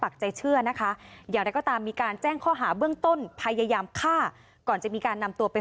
ไปดูเช่นนี้มันเพื่ออะไร